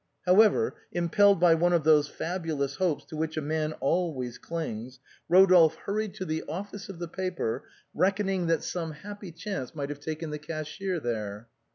However, impelled by one of those fabulous hopes to which a man always clings, Eodolphe hurried to the office of the paper, reckoning that some happy chance might have taken the cashier there.